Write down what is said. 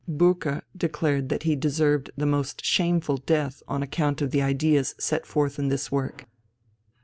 Bucer declared that he deserved the most shameful death on account of the ideas set forth in this work.